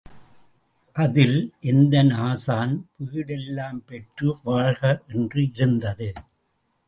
அதில்,... எந்தன் ஆசான், பீடெல்லாம் பெற்று வாழ்க! என்று இருந்தது.